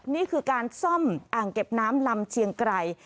นี่คือการซ่อมอ่างเก็บน้ำลำเชียงไกร